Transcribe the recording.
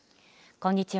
こんにちは。